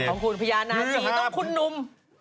ของคุณพญานาคสีต้องคุณหนุ่ม